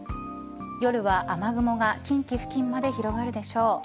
夜は雨雲が近畿付近まで広がるでしょう。